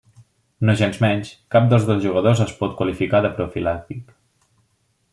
Nogensmenys, cap dels dos jugadors es pot qualificar de profilàctic.